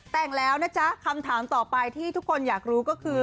แต่งแล้วนะจ๊ะคำถามต่อไปที่ทุกคนอยากรู้ก็คือ